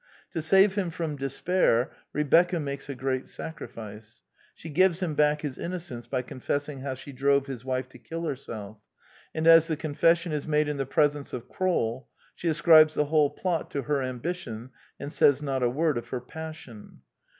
To save him from despair, Rebecca makes a great sacrifice. She '^ gives him back his innocence " by confessing how she drove his wife to kill herself; and, as the confession is made in the presence of KroU, she ascribes the whole plot to her ambition, and says not a word of her passion.